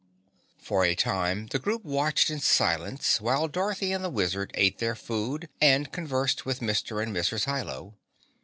For a time the group watched in silence while Dorothy and the Wizard ate their food and conversed with Mr. and Mrs. Hi Lo.